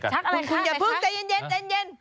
ชักอะไรคะอะไรคะคุณอย่าเพิ่งใจเย็น